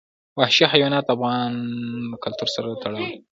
وحشي حیوانات د افغان کلتور سره تړاو لري.